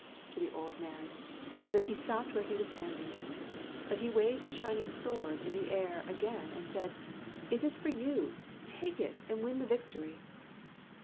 " to the old man, so that he stopped where he was standing. But he waved the shining sword in the air again, and said: " It is for you! Take it, and win the victory!